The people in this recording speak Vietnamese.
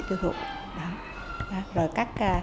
tư thuộc rồi các